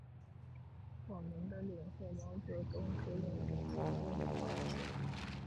我们领袖毛泽东，指引着前进的方向。